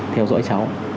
theo dõi cháu